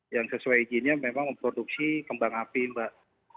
yang sesuai izinnya memang memproduksi kembang api mbak